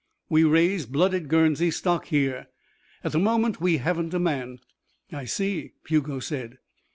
We raise blooded Guernsey stock here. At the moment we haven't a man." "I see," Hugo said.